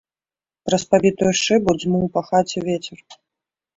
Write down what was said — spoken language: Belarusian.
Праз пабітую шыбу дзьмуў па хаце вецер.